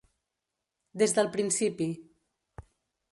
Des del principi.